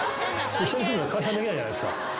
一緒に住んだら解散できないじゃないですか。